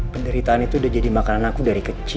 penderitaan itu udah jadi makanan aku dari kecil